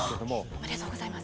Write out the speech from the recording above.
おめでとうございます。